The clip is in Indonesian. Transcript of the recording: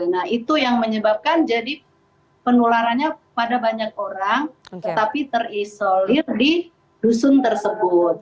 nah itu yang menyebabkan jadi penularannya pada banyak orang tetapi terisolir di dusun tersebut